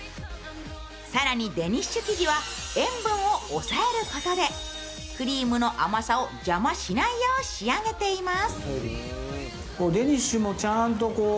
更にデニッシュ生地は塩分を抑えることでクリームの甘さを邪魔しないよう仕上げています。